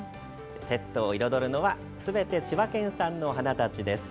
セットを彩るのはすべて千葉県産の花たちです。